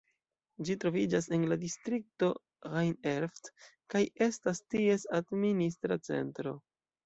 Ĝi troviĝas en la distrikto Rhein-Erft, kaj estas ties administra centro.